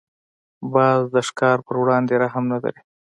باز د ښکار پر وړاندې رحم نه لري